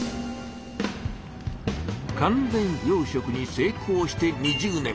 完全養しょくに成功して２０年。